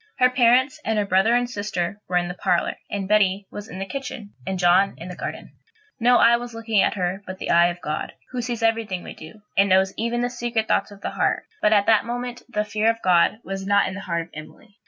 Her parents, and her brother and sister, were in the parlour, and Betty was in the kitchen, and John was in the garden. No eye was looking at her but the eye of God, who sees everything we do, and knows even the secret thoughts of the heart; but at that moment the fear of God was not in the heart of Emily.